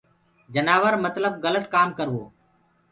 جنآورو متلب گلت ڪآم ڪروو